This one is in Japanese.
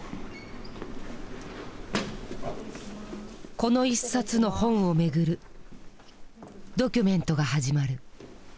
この一冊の本を巡るドキュメントが始まる。